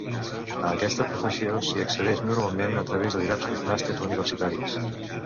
A aquesta professió s'hi accedeix normalment a través de diversos màsters universitaris.